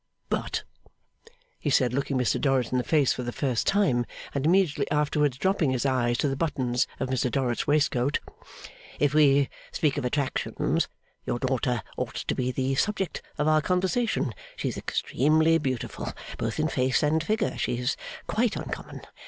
'But,' he said, looking Mr Dorrit in the face for the first time, and immediately afterwards dropping his eyes to the buttons of Mr Dorrit's waistcoat; 'if we speak of attractions, your daughter ought to be the subject of our conversation. She is extremely beautiful. Both in face and figure, she is quite uncommon.